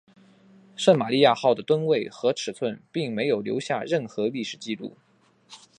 圣玛利亚号的吨位和尺寸并没有留下任何历史记录。